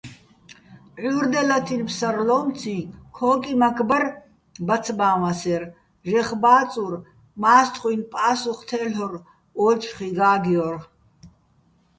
ჺურდელათინო̆ ფსარლო́მციჼ ქო́კიმაქ ბარ ბაცბაჼ ვასერ, ჟეხ ბა́წურ, მა́სხთხუჲნი̆ პა́სუხ თე́ლ'ორ, ო́ჯხი გა́გჲორ.